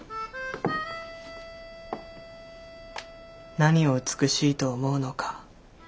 何を美しいと思うのか。